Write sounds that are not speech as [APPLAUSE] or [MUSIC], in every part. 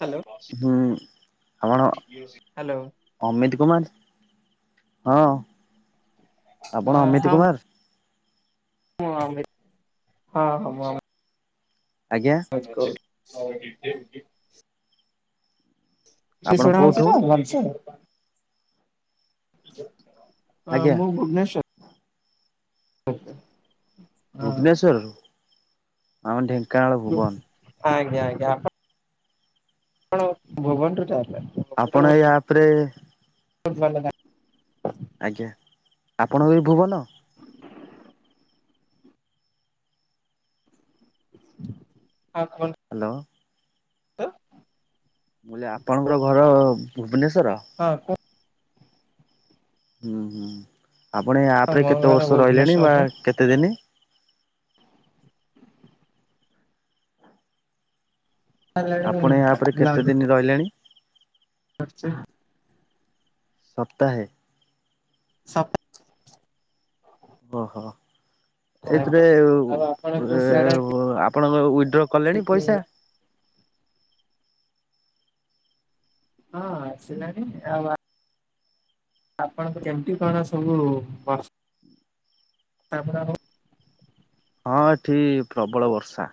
Hello ହୁଁ! ଆପଣ hello Amit Kumar! ହଁ, ଆପଣ ଅମିତ ହଁ କୁମାର? ହଁ! ଆମ, ହଁ-ହଁଁ ଆଜ୍ଞା! [UNINTELLIGIBLE] ଠିକ୍ ସେ ଆପଣ ଶୁଣା ହଉଚି କୋଉଠୁ ତ? ଭଲସେ ଅ! ଆଜ୍ଞା ମୁଁ ଭୁବନେଶ୍ୱର୍। ଆଜ୍ଞା ଭୁବନେଶ୍ୱରରୁ, ଆମ ଢେଙ୍କାନାଳ ଭୁବନ। ଆଜ୍ଞା-ଆଜ୍ଞା ଆପଣ କଣ ଭବନରୁୁ ଚାଲ ଆପଣ ଏଇ ଆପ୍ ରେ [UNINTELLIGIBLE] ଆଜ୍ଞା, ଆପଣଙ୍କ ବି ଭୁବନ? [UNINTELLIGIBLE] ହଁ, କୁହନ୍ତୁ? ହାଲୋ ତ? ମୁଁ କହିଲି ଆପଣଙ୍କର ଘର ଭୁବନେଶ୍ଵର? ହଁ କୁହନ୍ତୁ ହୁଁ ହୁଁ, ଆପଣ କୁହନ୍ତୁ ୟାପରେ ମୋ କେତେ ଘର ବର୍ଷ ରହିଲେଣି ବା ଭୁବନେଶ୍ୱରରେ। କେତେଦିନି? ଆଉ ଆପଣ ଏ ଆପରେ କେତେଦିନି ରହିଲେଣି? [UNINTELLIGIBLE] ସପ୍ତାହେ ସପ୍ ଓହୋ, ଏଥିରେ ଆପଣଙ୍କର ସିଆଡେ ଆପଣଙ୍କ ଉଇଡ୍ର କଲେଣି ହଁ ପଇସା। ହଁ ଆସିଲାଣି ଆଉ ଆ ଆପଣଙ୍କୁ ଯେମତି କଣ ସବୁ ବର୍ସ ହଁ ଏଠି ପ୍ରବଳ ବର୍ଷା।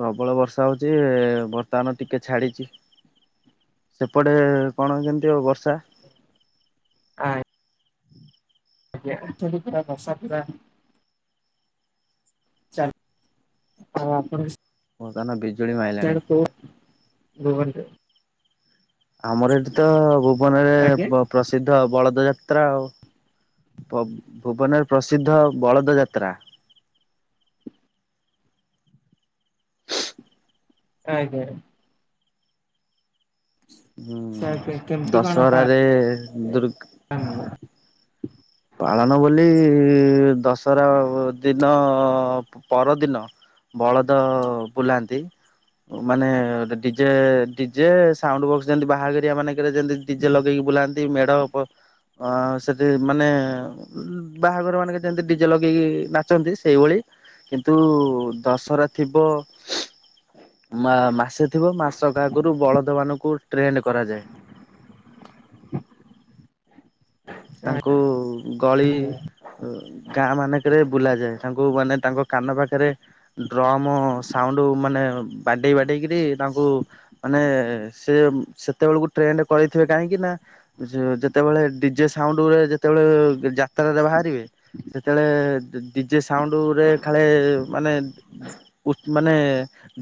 ପ୍ରବଳ ବର୍ଷା ହଉଚି ବର୍ତ୍ତମାନ ଟିକେ ଛାଡିଚି। ସେପଟେ କଣ କେମିତି ଆଉ ବର୍ଷା। କାଇଁ ଆଜ୍ଞା ଏଠି ବି ପୁରା ବର୍ଷା ପୁରା ଚାଲ୍, ହଁ ଆପଣବି ବର୍ତମାନ ବିଜୁଳି ମାଇ [UNINTELLIGIBLE] ଆମର ଏଠି ତ ଭୁବନରେ ବ ଆଜ୍ଞା ପ୍ରସ୍ ପ୍ରସିଦ୍ଧ ବଳଦ ଯାତ୍ରା ଆଉ, ପବ୍ ଭୁବନରେ ପ୍ରସିଦ୍ଧ ବଳଦ ଯାତ୍ରା। ଆଜ୍ଞା। ସାର୍ କେ ହୁଁ କେମିତି କଣ ପାଳନ ଦଶହରାରେ ଦୁର୍ଗ [UNINTELLIGIBLE] ପାଳନ ବୋଲି ଇଁ ଦଶହରା ଓ ଦି ନ ପ-ପରଦିନ ବଳଦ ବୁଲାନ୍ତି। ମାନେ ଡିଜେ ଡିଜେ ସାଉଣ୍ଡ ବକ୍ସ ଯେମିତି ବାହାଘରିଆ ମାନେଙ୍କେରେ ଯେମିତି ଡିଜେ ଲଗେଇକି ବୁଲାନ୍ତି ମେଢ ପ ଅଁ ସେଇଠି ମାନେ ଏଁ ଉଁ ବାହାଘର ମାନଙ୍କରେ ଯେମିତି ଡିଜେ ଲଗେଇକି ନାଚନ୍ତି ସେଇଭଳି କିନ୍ତୁ ଦଶହରା ଥିବ ମା-ମାସେ ଥିବ ମାସକ ଆଗୁରୁ ବଳଦମାନଙ୍କୁ ଟ୍ରେଣ୍ଡ କରାଯାଏ। ତାଙ୍କୁ ଗଳି ଆଜ୍ଞା ଉଁ ଗାଁ ମାନେଙ୍କେରେ ବୁଲା ଯାଏ। ତାଙ୍କୁ ମାନେ ତାଙ୍କ କାନ ପାଖେରେ ଡ୍ରମ୍ ସାଉଣ୍ଡ ମାନେ ବାଡ଼େଇ ବାଡ଼େଇକିରି ତାଙ୍କୁ ମାନେ ସେ ସେତେବେଳକୁ ଟ୍ରେଣ୍ଡ୍ କରେଇଥିବେ କାହିଁକି ନା ଯୋ ଯେତେବେଳେ ଡି ଜେ ସାଉଣ୍ଡରେ ଯେତେବେଳେ ଯାତ୍ରାରେ ବାହାରିବେ ସେତେବେଳେ ଡି-ଡିଜେ ସାଉଣ୍ଡରେ ଖାଳେ ମାନେ ଉଠ୍ ମାନେ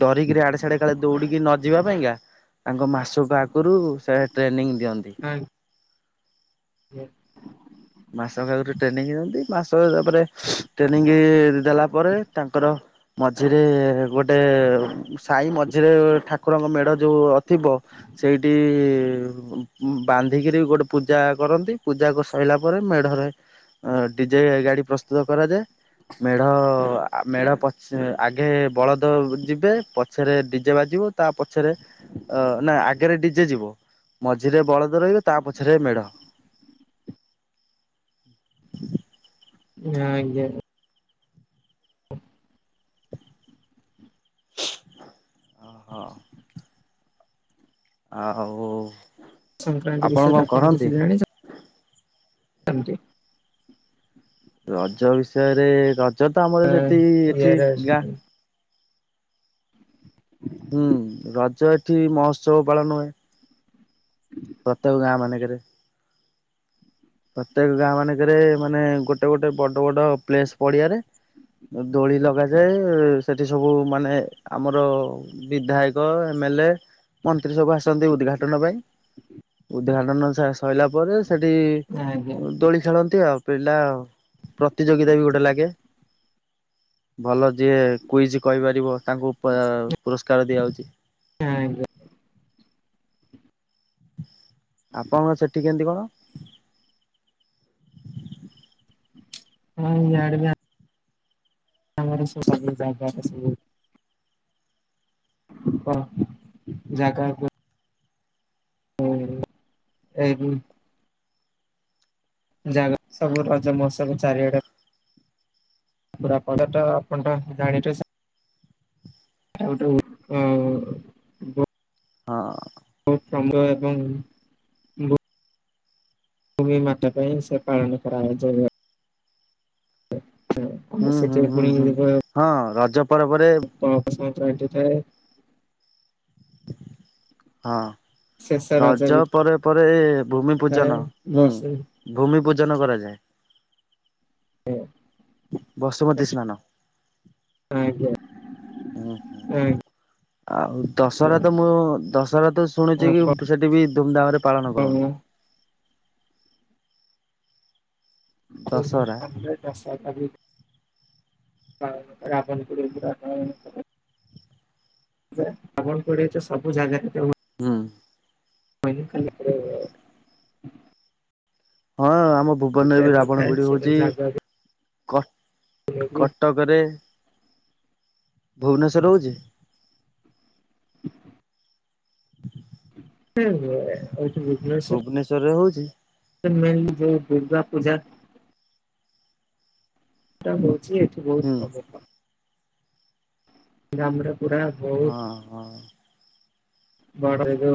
ଡରିକିରି ଆଡ଼େ ସାଡେ କାଳେ ଦୌଡିକି ନ ଯିବା ପାଇଁକା ତାଙ୍କ ମାସୁକୁ ଆଗୁରୁ ସେ ଟ୍ରେନିଂ ଦିଅନ୍ତି। ଆଜ୍ଞା। ମାସକ ଆଗୁରୁ ଟ୍ରେନିଂ ଦିଅନ୍ତି। ମାସ ହେଲା ପରେ ଟ୍ରେନିଂ ଦେଲା ପରେ ତାଙ୍କର ମଝିରେ ଗୋଟେ ସାଇ ମଝିରେ [UNINTELLIGIBLE] ଠାକୁରଙ୍କ ମେଢ ଯୋଉ ଅ ଥିବ ସେଇଠି ଉଁମ୍ ବାନ୍ଧିକିରି ଗୋଟେ ପୂଜା କରନ୍ତି। ପୂଜା କରି ସଇଲା ଉପରେ ମେଢ ରହେ। ଅଁ ଡିଜେ ଗାଡି ପ୍ରସ୍ତୁତ କରାଯାଏ। ମେଢ ଆ-ଆ ମେଢ ପଛ ଆଗେ ବଳଦ ଯିବେ ପଛେରେ ଡିଜେ ବାଜିବ ତା ପଛେରେ ଅ ନା ଆଗେରେ ଡିଜେ ଯିବ, ମଝିରେ ବଳଦ ରହିବେ, ତା ପଛେରେ ମେଢ଼। ହ ଆଜ୍ଞା। ଓହୋ। ଆଉ ସଂକ୍ରାନ୍ତି କଣ ବିଷୟରେ ଆପଣ କରନ୍ତି? କିଛି ଜାଣିଛ ରଜ ବିଷୟରେ ରଜ ତ ଆମର ସେଇଠି ଏଇଠି ଇଆରେ ଗାଁ ଆଜ୍ଞା [INAUDIBLE] ହୁଁ ରଜ ଏଇଠି ମହୋତ୍ସବ ପାଳନ ହୁଏ। ହଁ ପ୍ରତ୍ୟେକ ଗାଁ ମାନେଙ୍କେରେ। ପ୍ରତ୍ୟେକ ଗାଁ ମାନେଙ୍କେରେ ମାନେ ଗୋଟେ ଗୋଟେ ବଡ ବଡ ପ୍ଲେସ ପଡିଆରେ ଦୋଳି ଲଗାଯାଏ ସେଇଠି ସବୁ ମାନେ ଆମର ବିଧାୟକ, ଏମ ଏଲ ଏ, ମନ୍ତ୍ରୀ ସବୁ ଆସନ୍ତି ଉଦ୍ଘାଟନ ପାଇଁ। ଉଦ୍ଘାଟନ ସା ସଇଲା ପରେ ସେଇଠି ଆଜ୍ଞା ଦୋଳି ଖେଳନ୍ତି ଆଉ ପିଲା। ପ୍ରତିଯୋଗିତା ବି ଗୋଟେ ଲାଗେ। ଭଲ ଯିଏ କୁଇଜ୍ କହିପାରିବ ତାଙ୍କୁ ପାଁ ପୁରସ୍କାର ଦିଆହଉଛି। ଆଜ୍ଞା। ଆପଣଙ୍କର ସେଇଠି କେମିତି କଣ? [UNINTELLIGIBLE] ଆମ ଆଡେ ବି ସବୁ। [UNINTELLIGIBLE] [UNINTELLIGIBLE] ଜାଗା କୁ ହୁଁ। [UNINTELLIGIBLE] ଜାଗା ସବୁ ରଜ ମହୋତ୍ସବ ଚାରିଆଡେ ପୁରା ପଡା ଟା ଆପଣ [UNINTELLIGIBLE] [UNINTELLIGIBLE] ଉଁ ହଁ। ତ କାମ ଏବଂ ଭୂମି ମାତ ପାଇଁ ସେ ପାଳନ କରାଯାଏ। ହଁ ହୁଁ ସେଇଆ ହୁଁ ସେଇଟା ବି ହୁଁ ପୁଣି ହୁଁ ଗୋଟେ ହଁ ରଜ ପର୍ବରେ ଫଳ ପୁଷ୍ପ ଫୁଟିଥାଏ। ହଁ ଶେଷ ରଜ ବି ପରେ ପରେ ଭୂମି ଥାଏ ପୂଜନ ହୁଁ। ବର୍ଷ ଭୂମି ପୂଜନ କରାଯାଏ। ହୁଁ। ବସୁମତୀ ସ୍ନାନ। ଆଜ୍ଞା ହୁଁ ହୁଁ ଆଁ ଆଉ ଦଶହରା ତ ମୁଁ ଦଶହରା ତ ଶୁଣିଛି ଆପଣ କି ସେଠି ବି ଧୁମଧାମରେ ପାଳନ କରନ୍ତି। ଦଶହରା ଧୁମଧାମରେ ଦଶହରା ବି ରାବଣ ପୋଡ଼ି ହେଇଥିଲା ତ ଯେ ଆପଣ କୁଆଡ଼େ ଏଟା ସବୁ ଜାଗାରେ ହୁଏ। ହୁଁ। ମୁଁ ଖାଲି ଏପଟେ ହଁ ଆମ ଭୁବନରେ ବି ରାବଣ ନଥାଏ ପୋଡି ସେଟା ହଉଛି। ଜାଗା କଟ ବି। କଟକରେ ଭୁବନେଶ୍ୱରରେ ରହୁଛି? ସିଏ ଅଛି ଭୁବନେଶ୍ୱର। ଭୁବନେଶ୍ୱରରେ ହଉଛି? ମେନ୍ ମେନ୍ ଯୋଉ ଦୁର୍ଗା ପୂଜା ଏଇଟା ହଉଛି ଏଠି ବହୁତ ହୁଁ ପ୍ରଘଟ। ଗ୍ରାମରେ ପୁରା ବହୁତ ହଁ ହଁ। ବଡ ହେଲୁ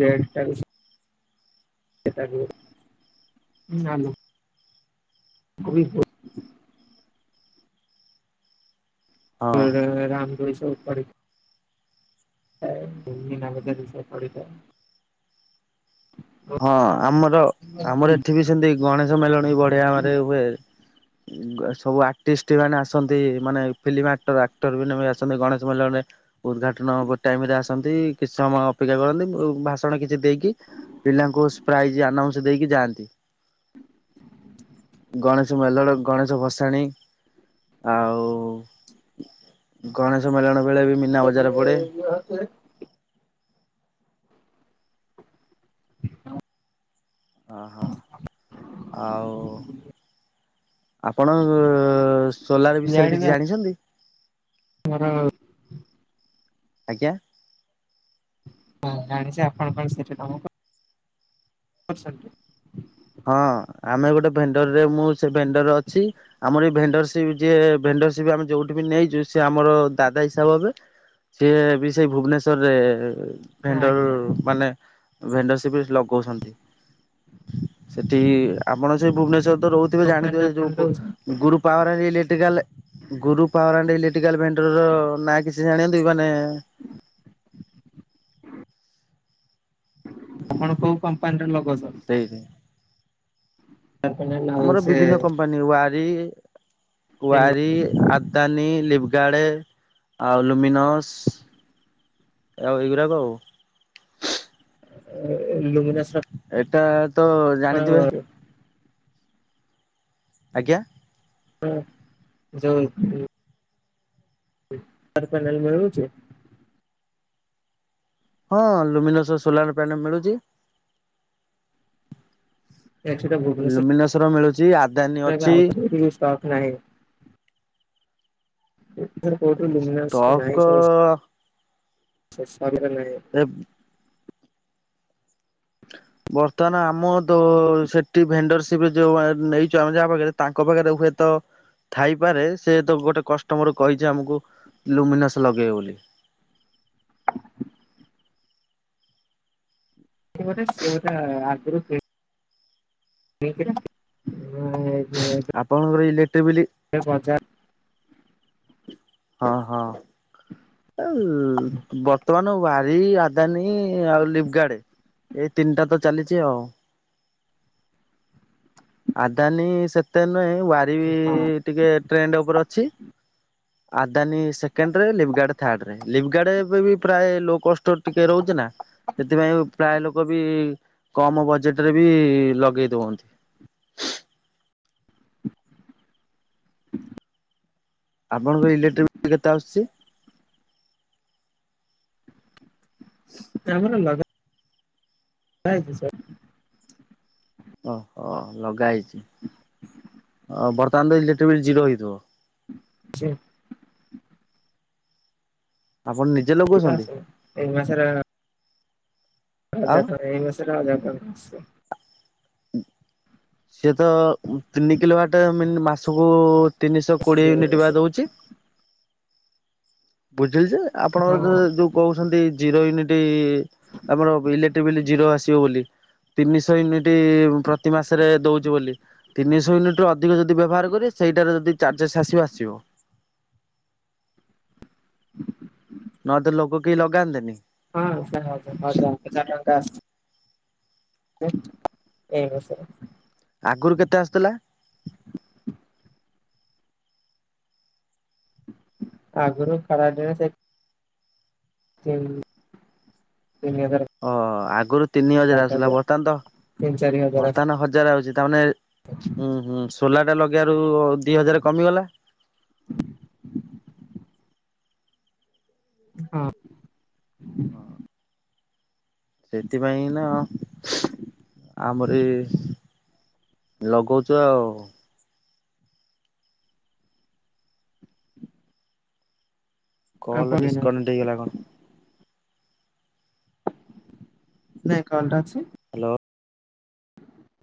ଡ୍ରେସ୍ ଟା ବି ଶି ସେଇଟାକୁ ହୁଁ ନାଇଁ। କୋଉଠି? ହଁ ଏଣେ ରାମଦୋଳି ସବୁ ପଡି ବିନା କଥାରେ ଦୋଷ କାଢୁଛ। ହଁ ଆମର ଆମର ଏଠି ବି ସେମତି ଗଣେଶ ମେଲଣ ବି ବଢିଆ ଆମରି ହୁଏ। ଉଁ ସବୁ ଆର୍ଟିଷ୍ଟ ମାନେ ଆସନ୍ତି ମାନେ ଫିଲ୍ମ ଆକ୍ଟର ଆକ୍ଟର ମାନେ ବି ଆସନ୍ତି ଗଣେଶ ମଲଣରେ। ଉଦ୍ଦଘାଟନ ହବା ଟାଇମ୍ ରେ ଆସନ୍ତି କିଛି ସମୟ ଅପେକ୍ଷା କରନ୍ତି ଆଉ ଭାଷଣ କିଛି ଦେଇକି ପିଲାଙ୍କୁ ସ ପ୍ରାଇଜ୍ ଆନାଉନ୍ସ୍ ଦେଇକି ଯାଆନ୍ତି। ଗଣେଶ ମେଲଣ ଗଣେଶ ଭସାଣୀ ଆଉ ଗଣେଶ ମେଲଣ ବେଳେ ବି ମି ଯେ ସିଏ ଇଏ ହଉଛି ହଉ। ଓ ହୋ ଆଉ ଆପଣ ସୋଲାର ବିଷୟରେ ଇଆଡେ ବି କିଛି ଜାଣିଛନ୍ତି? ଆମର ଆଜ୍ଞା। ହଁ ଜାଣିଛ ଆପଣଙ୍କ ପାଇଁ ସେଠି କଣ କଣ ଅଛନ୍ତି। ହଁ ଆମେ ଗୋଟେ ଭେଣ୍ଡରରେ ମୁଁ ସେ ଭେଣ୍ଡରରେ ଅଛି ଆମର ଏଇ ଭେଣ୍ଡର ସେ ସେ ଯିଏ ଭେଣ୍ଡରସିପ୍ ଆମେ ଯୋଉଠି ବି ନେଇଛୁ ସିଏ ଆମର ଦାଦା ହିସାବ ହେବେ। ସିଏ ବି ସେଇ ଭୁବନେଶ୍ୱରରେ ହଁ ଆଜ୍ଞା ଭେଣ୍ଡର ମାନେ ଭେଣ୍ଡରସିପ୍ ଲଗଉଛନ୍ତି। ସେଠି ଆପଣ ସେ ଭୁବନେଶ୍ୱରରେ ତ ରହୁଥିବେ କମ୍ପାନୀରେ ଜାଣିଥିବେ ସେ ଆପଣ ଯୋଉ ବୋ ଦଉଛନ୍ତି Guru power electrical Guru power and electrical vendor ର ନାଁ କିଛି ଜାଣନ୍ତି କି ମାନେ ଆପଣ କୋଉ କମ୍ପାନୀର ଲଗଉଚ? ଏହେ ତାରପାନେଲ ଆଉ ଆମର ସେ ବିଭିନ୍ନ କମ୍ପାନୀ ୱାରି ୱାରି ଆ ଦାନୀ ଲିପଗାର୍ଡ ଆଉ ଲୁମିନସ୍ ଆଉ ଏଇଗୁରାକ ଆଉ ଏ ଲୁମିନସ ର ଏଟା ତ ଜାଣିଥିବେ [UNINTELLIGIBLE] ଆଜ୍ଞା। ହଁ ଯଉ ହୁଁ ତାର ପୋନାଲ ମଳୁଚି? ହଁ ଲୁମିନସ ର ସୋଲାର ପ୍ୟାନଲ ମିଳୁଚି। ଏଆଡେ ସେଟା ଲୁମିନେସ ର ମିଳୁଚି ଆଦାନୀ ଅଛି [UNINTELLIGIBLE] ନାହିଁ ଏଠି କୋଉଠି ଲୁମିନେସ ର ଟକ ନାହିଁ [UNINTELLIGIBLE] ଶେଷମ ର ନାହିଁ। ଏବ ବର୍ତ୍ତମାନ ଆମ ଦ ସେଠି ଭେଣ୍ଡରସିପ ରେ ଯୋଉ ଆ ନେଇଚୁ ଆମେ ଯାହା ପାଖରେ ତାଙ୍କ ପାଖରେ ହୁଏତ ଥାଇପାରେ ସେ ତ ଗୋଟେ କଷ୍ଟମର କହିଚି ଆମକୁ ଲୁମିନେସ ଲଗେଇବେ ବୋଲି। ସେ ଗୋଟେ ସେ ଗୋଟା ଆଗରୁ କି ଏକେରେ ଆପଣଙ୍କର ଇଲେକ୍ଟ୍ରି ବିଲ ସେ ପଞ୍ଚା ହଁ ହଁ। ଆଉ ବର୍ତ୍ତମାନ ୱାରି ଆଦାନୀ ଆଉ ଲିପଗାର୍ଡ ଏଇ ତିନିଟା ତ ଚାଲିଚି ଆଉ। ଆଦାନୀ ସେତେ ନୁହେଁ ହଁ ୱାରିବି ଟିକେ ଟ୍ରେଣ୍ଡ ଉପରେ ଅଛି। ଆଦାନୀ ସେକେଣ୍ଡ ରେ ଲିପଗାର୍ଡ଼ ଥାର୍ଡରେ ଲିପଗାର୍ଡ଼ ଏବି ପ୍ରାୟ ଲୋକଷ୍ଟର ଟିକେ ରହୁଚି ନା ସେଥିପାଇଁ ଉ ପ୍ରାୟ ଲୋକ ବି କମ ବଜେଟ ରେ ବି ଲଗେଇ ଦଉଅନ୍ତି। ଆପଣଙ୍କ ଇଲେକ୍ଟ୍ରିକ ବିଲ୍ କେତେ ଆସୁଚି? ଆମର ଲଗା ଇଛି ସୋର ଓହୋ ଲଗା ହେଇଛି ଅ ବର୍ତ୍ତମାନ ତ ଇଲେକ୍ଟ୍ରିକ ବିଲ୍ ଜିରୋ ହେଇଥିବ? ଚି ଆପଣ ନିଜେ ଜିରୋ ଲଗଉଛନ୍ତି ଆସେ ଏ ମାସରେ ହଜାର ଆଉ? ଟଙ୍କା ଏଇ ମାସରେ ହାଜର ଟଙ୍କା ଆସଚି। ସିଏ ତ ତିନି କିଲୋ ୱାଟ ମିନି ମାସକୁ ତିନିଶହ କୋଡ଼ିଏ ୟୁନିଟ୍ ବା ଦେଉଚି? ବୁଝିଲି ଯେ ହଁ ଆପଣଙ୍କର ଧର ଯୋଉ କହୁଛନ୍ତି ଜିରୋ ୟୁନିଟ୍ ଆପଣଙ୍କର ଇଲେକ୍ଟ୍ରି ବିଲ ଜିରୋ ଆସିବ ବୋଲି ତିନିଶହ ୟୁନିଟ୍ ପ୍ରତି ମାସରେ ଦଉଚି ବୋଲି ତିନିଶହ ୟୁନିଟ ରୁ ଅ ଅଧିକ ଯଦି ବ୍ୟବହାର କରିବେ ସେଇଟାରେ ଯଦି ଚାର୍ଜେସ୍ ଆସିବ ଆସିବ ନହେଲେ ତ ଲୋକ କେହି ଲଗାନ୍ତେନି। ହଁ ସେ ହଜାର ହଜାର ହଜାର ଟଙ୍କା ଆସଚି ଏ ଏଇ ମାସରେ। ଆଗରୁ କେତେ ଆସୁଥିଲା? ଆଗରୁ ଖରା ଦିନେ ସେ ତିନି ତିନି ହଜାର ଓ ଆଗରୁ ତିନି ହଜାର ଆସିଲା, ପାଖାପାଖି ବର୍ତ୍ତମାନ ତ ତିନି ଚାରି ହଜାର ଆସ ବର୍ତ୍ତମାନ ହଜାର ଆଉଛି, ତାମାନେ [INAUDIBLE] ହୁଁ ହୁଁ ସୋଲାଟା ଲଗେଇବାରୁ ଦି ହଜାର କମିଗଲା। [INAUDIBLE] ହଁ ସେଥିପାଇଁ ନା ଆମର ସେଇ ଲଗାଉଛୁ ଆଉ କଣ ଆଉ ହେଲା ନାଇଁ ଡିସକନେକ୍ଟ ହେଇଗଲା କଣ? ନାଇଁ କଲଟା ଅଛି ହାଲୋ